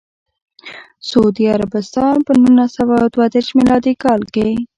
سعودي عربستان په نولس سوه دوه دیرش میلادي کال کې.